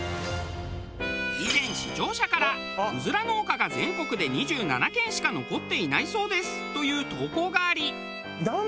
以前視聴者からうずら農家が全国で２７軒しか残っていないそうですという投稿があり。